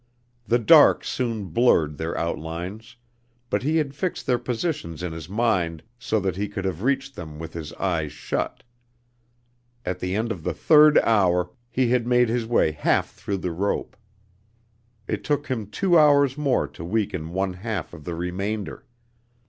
The dark soon blurred their outlines, but he had fixed their positions in his mind so that he could have reached them with his eyes shut. At the end of the third hour he had made his way half through the rope. It took him two hours more to weaken one half of the remainder.